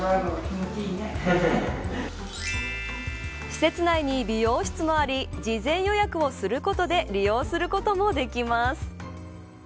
施設内に美容室もあり事前予約をすることで利用することもできます。